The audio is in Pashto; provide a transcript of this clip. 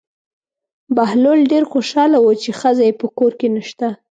بهلول ډېر خوشحاله و چې ښځه یې په کور کې نشته.